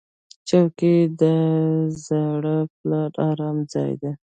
چوکۍ د زاړه پلار ارام ځای دی.